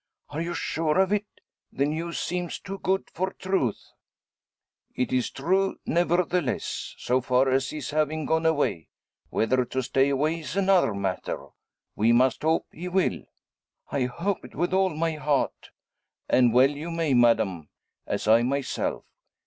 "Are you sure of it? The news seems too good for truth." "It's true, nevertheless; so far as his having gone away. Whether to stay away is another matter. We must hope he will." "I hope it with all my heart." "And well you may, madame; as I myself.